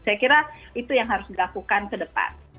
saya kira itu yang harus dilakukan ke depan